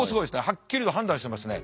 はっきりと判断してますね。